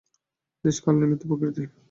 দেশ কাল ও নিমিত্তই প্রকৃতি।